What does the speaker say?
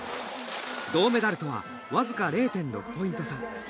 銅メダルとはわずか０．６ポイント差。